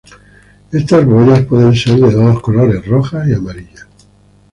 Estas boyas pueden ser de dos colores, rojas y amarillas.